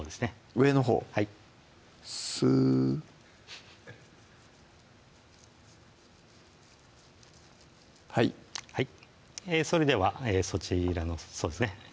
上のほうはいスーはいそれではそちらのそうですね